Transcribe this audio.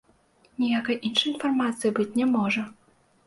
Ніякай іншай інфармацыі быць не можа.